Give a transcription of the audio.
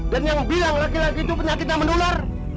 dan yang bilang laki laki itu penyakit yang mendular